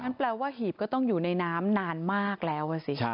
หมายความรู้สึกแปลว่าหีบก็ต้องอยู่ในน้ำนานมากแล้วอ่ะสิ